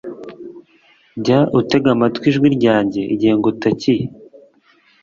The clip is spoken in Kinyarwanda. Jya utega amatwi ijwi ryanjye igihe ngutakiye